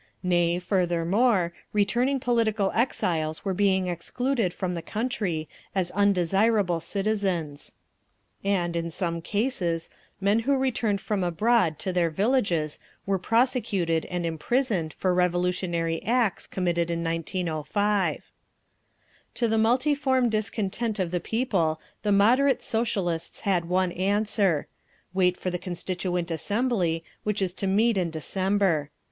Nay, furthermore, returning political exiles were being excluded from the country as "undesirable" citizens; and in some cases, men who returned from abroad to their villages were prosecuted and imprisoned for revolutionary acts committed in 1905. To the multiform discontent of the people the "moderate" Socialists had one answer: Wait for the Constituent Assembly, which is to meet in December.